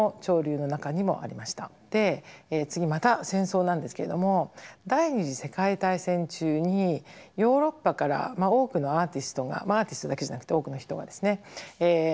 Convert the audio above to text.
で次また戦争なんですけれども第２次世界大戦中にヨーロッパから多くのアーティストがまあアーティストだけじゃなくて多くの人がですね